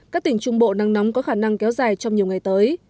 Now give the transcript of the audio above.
các tỉnh trung bộ nắng nóng có khả năng kéo dài trong nhiều ngày tới